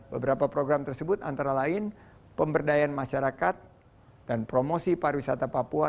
beberapa program tersebut antara lain pemberdayaan masyarakat dan promosi pariwisata papua